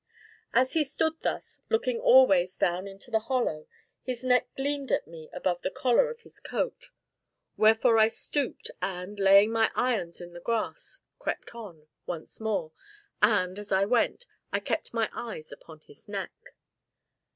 As he stood thus, looking always down into the Hollow, his neck gleamed at me above the collar of his coat, wherefore I stooped and, laying my irons in the grass, crept on, once more, and, as I went, I kept my eyes upon his neck.